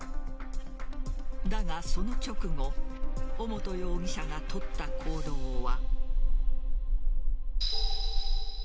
だが、その直後尾本容疑者が取った行動は。